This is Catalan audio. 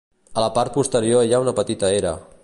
A la part posterior hi ha una petita era.